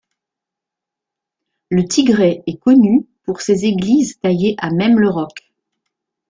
Le Tigré est connu pour ses églises taillées à même le roc.